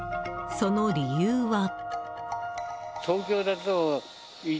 その理由は。